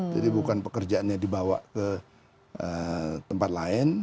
jadi bukan pekerjaannya dibawa ke tempat lain